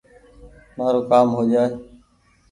مآرو ڪآم هو جآئي